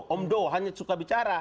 omdo hanya suka bicara